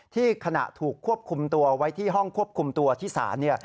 ขณะถูกควบคุมตัวไว้ที่ห้องควบคุมตัวที่ศาล